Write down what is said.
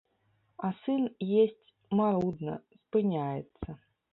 А сын есць марудна, спыняецца.